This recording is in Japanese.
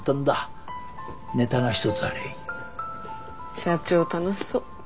社長楽しそう。